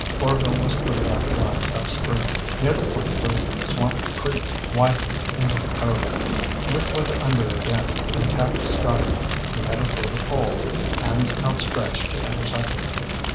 Orvil was putting out lines upstream, near the point where Swamp Creek widened into the cove. Rick went under again and tapped Scotty. He headed for the pole, hands outstretched to intercept it.